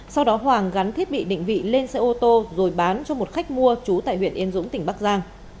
sau đó hoàng gắn thiết bị định vị lên xe ô tô rồi bán cho một khách mua trú tại huyện yên dũng tỉnh bắc giang